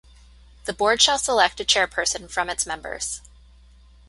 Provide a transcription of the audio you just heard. The board shall select a chairperson from its members.